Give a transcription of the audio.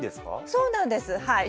そうなんですはい。